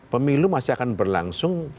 pemilu masih akan berlangsung